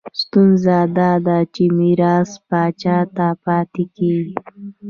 ستونزه دا ده چې میراث پاچا ته پاتې کېږي.